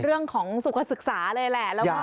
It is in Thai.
เรื่องของศักดิ์ศึกษาเลยแหละ